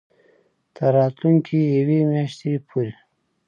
تر راتلونکې یوې میاشتې پورې